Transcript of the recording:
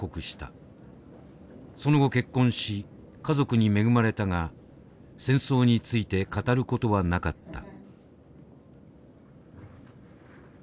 その後結婚し家族に恵まれたが戦争について語る事はなかった。